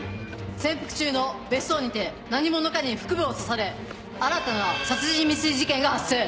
潜伏中の別荘にて何者かに腹部を刺され新たな殺人未遂事件が発生。